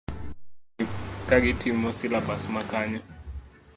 Hero piny, koda tich ne piny kachiel koda luor kagitimo silabas ma kanyo.